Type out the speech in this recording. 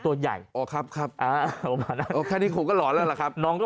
ตัวใหญ่อ๋อครับครับอ๋อแค่นี้ขุมก็หลอนแล้วล่ะครับน้องก็